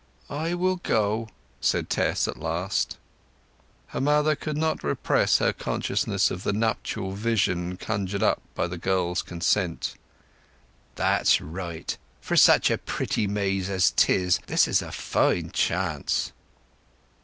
"I will go," said Tess at last. Her mother could not repress her consciousness of the nuptial vision conjured up by the girl's consent. "That's right! For such a pretty maid as 'tis, this is a fine chance!"